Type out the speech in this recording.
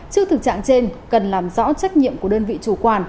trước thực trạng trên cần làm rõ trách nhiệm của đơn vị chủ quản